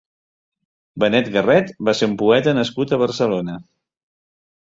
Benet Garret va ser un poeta nascut a Barcelona.